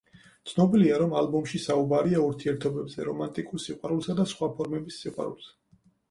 ცნობილია, რომ ალბომში საუბარია ურთიერთობებზე, რომანტიკულ სიყვარულსა და სხვა ფორმების სიყვარულზე.